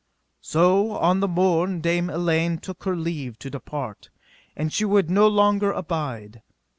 So on the morn Dame Elaine took her leave to depart, and she would no longer abide.